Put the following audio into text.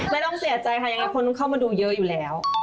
ไม่ต้องเสียใจค่ะยังไงคนต้องเข้ามาดูเยอะอยู่แล้ว